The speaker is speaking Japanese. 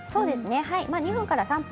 ２分から３分。